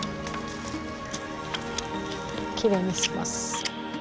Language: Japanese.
きれいにします。